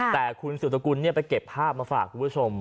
แต่คุณสุตกุลไปเก็บภาพมาฝากคุณผู้ชม